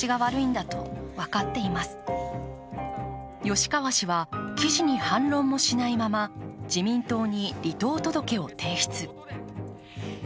吉川氏は記事に反論もしないまま、自民党に離党届を提出。